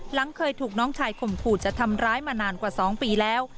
เคยถูกน้องชายข่มขู่จะทำร้ายมานานกว่า๒ปีแล้ว